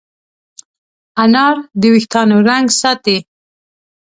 انار د وېښتانو رنګ ساتي.